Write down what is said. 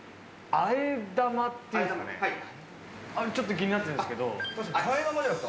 あれ、ちょっと気になったんですけど。